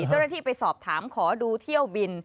เจ้าหน้าที่ไปสอบถามขอดูเที่ยวบิน